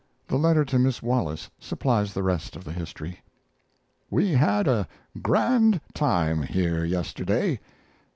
The letter to Miss Wallace supplies the rest of the history. We had a grand time here yesterday.